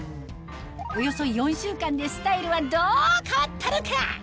およそ４週間でスタイルはどう変わったのか？